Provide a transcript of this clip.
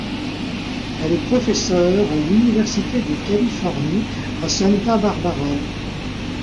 Elle est professeure à l'Université de Californie à Santa Barbara.